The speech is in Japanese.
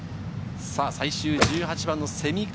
最終１８番の蝉川。